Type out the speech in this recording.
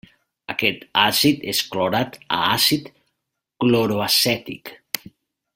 Aquest àcid és clorat a àcid cloroacètic.